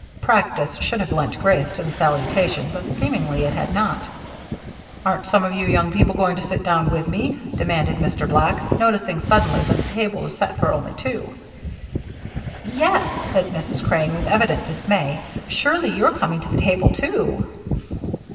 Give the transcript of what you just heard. Practice should have lent grace to the salutation, but seemingly it had not. "Aren't some of you young people going to sit down with me?" demanded Mr. Black, noticing suddenly that the table was set for only two. "Yes," said Mrs. Crane with evident dismay, "surely you're coming to the table, too."